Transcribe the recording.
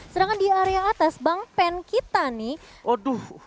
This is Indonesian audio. sedangkan di area atas bang pen kita nih aduh